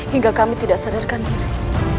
hingga kami tidak sadarkan diri